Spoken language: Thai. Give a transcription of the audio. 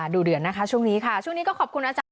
ดูเดือดนะคะช่วงนี้ค่ะช่วงนี้ก็ขอบคุณอาจารย